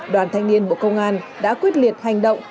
đoàn thanh niên bộ công an đã quyết liệt hành động